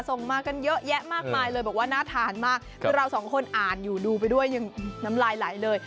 ส่งมากันเยอะแยะมากมายเลยบอกว่าน่าทานมากคือเราสองคนอ่านอยู่ดูไปด้วยยังน้ำลายไหลเลย